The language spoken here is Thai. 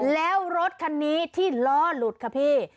แล้วรถคันนี้ที่ล้อหลุดค่ะพี่